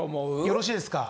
よろしいですか？